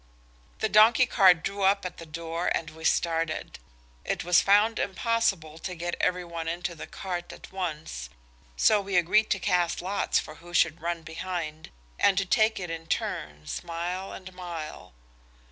The donkey cart drew up at the door and we started. It was found impossible to get every one into the cart at once, so we agreed to cast lots for who should run behind, and to take it in turns, mile and mile.